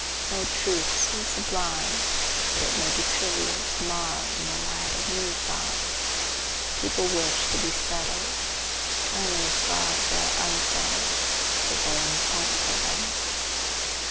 No truth so sublime but it may be trivial to morrow in the light of new thoughts. People wish to be settled; only as far as they are unsettled is there any hope for them.